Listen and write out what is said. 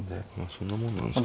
そんなもんなんですか。